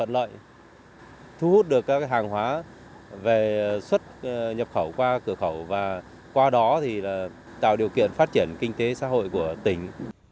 thu hút được các hàng hóa về xuất nhập khẩu qua cửa khẩu và qua đó thì tạo điều kiện phát triển kinh tế xã hội của tỉnh